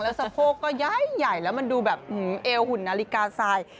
แล้วสะโพกก็ย้ายแล้วมันดูแบบเอวหุ่นนาฬิกาซาย